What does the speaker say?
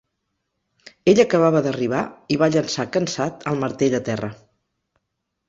Ell acabava d'arribar, i va llençar cansat el martell a terra.